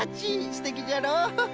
すてきじゃろ？